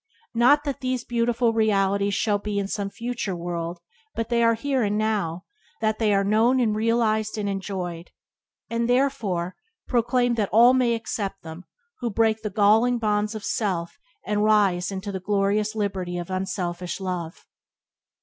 Not that these beautiful realities shall be in some future world, but they are here and now, that they are known and realized and enjoyed; and are, therefore, proclaimed that all may accept them who will break the galling bonds of self and rise into the glorious liberty of unselfish love.